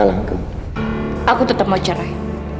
aku tetep mau cerai